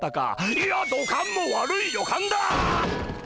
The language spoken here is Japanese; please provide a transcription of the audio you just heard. いや土管も悪い予感だ！